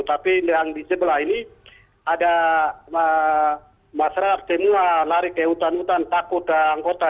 tapi yang di sebelah ini ada masyarakat semua lari ke hutan hutan takut ke anggota